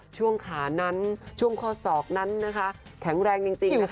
ช่วงขานั้นช่วงข้อศอกนั้นนะคะแข็งแรงจริงนะคะ